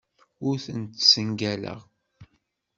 Ur tent-ssengaleɣ.